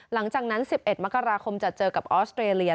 หลังจากนั้น๑๑มกราคมจะเจอกับออสเตรเลีย